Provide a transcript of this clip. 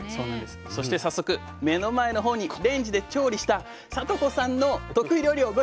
そして早速目の前のほうにレンジで調理した智子さんの得意料理をご用意しました。